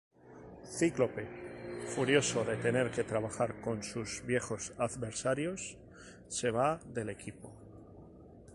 Cíclope, furioso de tener que trabajar con sus viejos adversarios, se va del equipo.